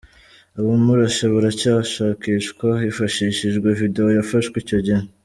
Abamurashe baracyashakishwa hifashishijwe video yafashwe icyo gihe.